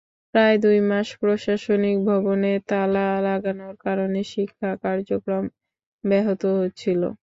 প্রায় দুই মাস প্রশাসনিক ভবনে তালা লাগানোর কারণে শিক্ষা কার্যক্রম ব্যাহত হচ্ছিল।